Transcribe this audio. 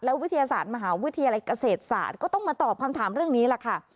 วิทยาศาสตร์มหาวิทยาลัยเกษตรศาสตร์ก็ต้องมาตอบคำถามเรื่องนี้แหละค่ะ